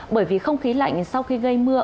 bởi vì không khí lạnh sau khi gây mưa